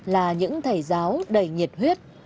là những thầy giáo đầy nhiệt huyết